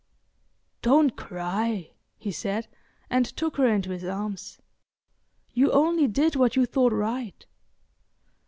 "Don't cry," he said, and took her into his arms. "You only did what you thought right."